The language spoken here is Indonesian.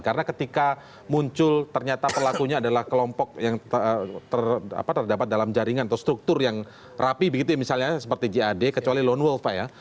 karena ketika muncul ternyata pelakunya adalah kelompok yang terdapat dalam jaringan atau struktur yang rapi begitu misalnya seperti gad kecuali lone wolf ya